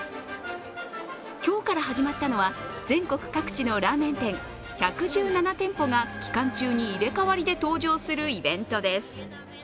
今日から始まったのは全国各地のラーメン店１１７店舗が、期間中に入れ代わりで登場するイベントです。